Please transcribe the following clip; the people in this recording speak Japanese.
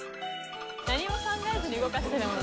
何も考えずに動かしてるもん。